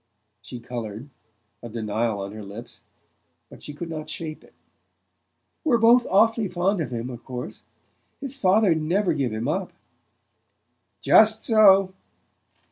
She coloured, a denial on her lips; but she could not shape it. "We're both awfully fond of him, of course... His father'd never give him up!" "Just so."